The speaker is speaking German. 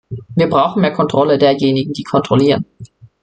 Wir brauchen mehr Kontrolle derjenigen, die kontrollieren.